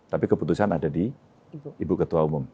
tapi keputusan ada di ibu ketua umum